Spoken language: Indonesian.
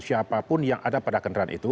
siapapun yang ada pada kendaraan itu